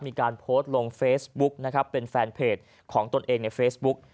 มีการโพสต์ลงเฟซบุ๊กนะครับเป็นแฟนเพจของตนเองในเฟซบุ๊ก